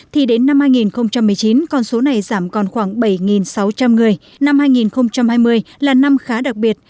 thì đến năm hai nghìn một mươi chín con số này giảm còn khoảng bảy sáu trăm linh người năm hai nghìn hai mươi là năm khá đặc biệt